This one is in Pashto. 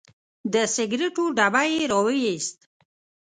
د سګریټو ډبی یې راوویست.